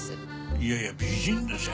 いやいや美人ですよ